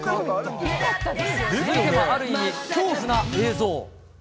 続いてはある意味、恐怖な映像。